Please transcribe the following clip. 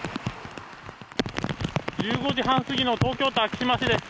１５時半過ぎの東京都昭島市です。